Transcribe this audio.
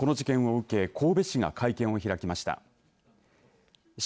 この事件を受け神戸市が会見を開きました。